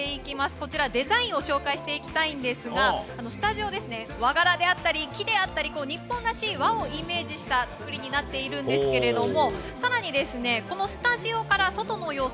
こちら、デザインを紹介していきたいんですがスタジオ、和柄であったり木であったり日本らしい輪をイメージした造りになっているんですけれども更に、このスタジオから外の様子